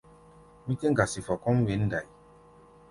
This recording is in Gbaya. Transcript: Mí tɛ́ ŋgasi fɔ kɔ́ʼm wěn ndai.